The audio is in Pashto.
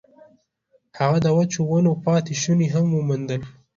هغې د وچو ونو پاتې شوني هم وموندل.